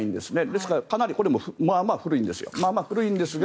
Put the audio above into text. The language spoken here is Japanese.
ですから、かなりこれもまあまあ古いんですよ。